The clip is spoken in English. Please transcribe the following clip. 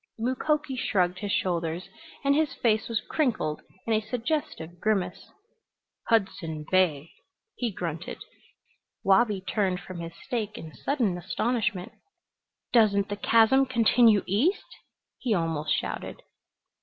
Mukoki shrugged his shoulders and his face was crinkled in a suggestive grimace. "Hudson Bay," he grunted. Wabi turned from his steak in sudden astonishment. "Doesn't the chasm continue east?" he almost shouted.